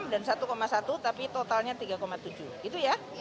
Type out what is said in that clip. satu enam dan satu satu tapi totalnya tiga tujuh gitu ya